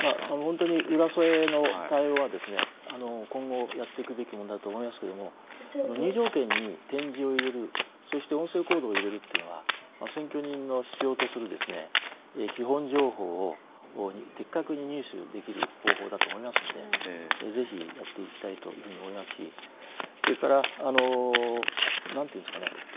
本当に浦添の対応は今後やっていくべきものだと思いますけども入場券に点字を入れるそして音声コードを入れるというのは選挙人の必要とする基本情報を的確に入手できる方法だと思いますのでぜひやっていきたいというふうに思いますしそれから福祉部局との連携。